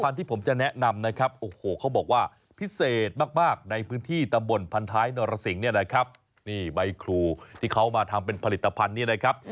นี่ใบครูที่เขามาทำเป็นผลิตภัณฑ์นี้นะครับ